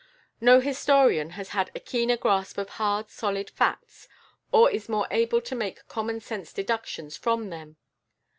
No historian has had a keener grasp of hard solid facts, or is more able to make common sense deductions from them.